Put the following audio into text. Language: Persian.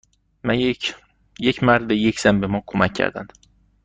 یک مرد و یک زن به ما کمک کردند.